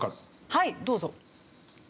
はいどうぞ。